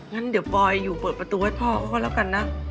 งั้นเดี๋ยวปอยอยู่เปิดประตูให้พ่อเขาก็แล้วกันนะ